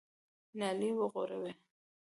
نالۍ وغوړوئ !